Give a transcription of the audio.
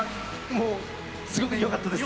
もう、すごくよかったです。